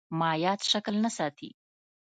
مایعات شکل نه ساتي.